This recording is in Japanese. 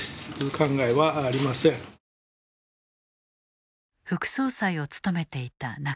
副総裁を務めていた中曽。